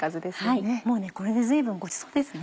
もうねこれで随分ごちそうですね